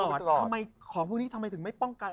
ทำไมของพวกนี้จะไม่ป้องกัน